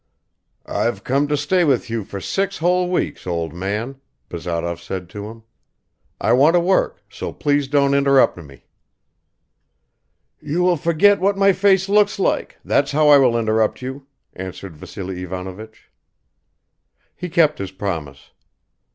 "I've come to stay with you for six whole weeks, old man," Bazarov said to him. "I want to work, so please don't interrupt me." "You will forget what my face looks like, that's how I will interrupt you!" answered Vassily Ivanovich. He kept his promise.